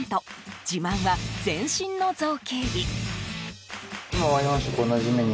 自慢は全身の造形美。